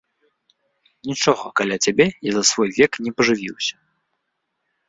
Нічога каля цябе я за свой век не пажывіўся!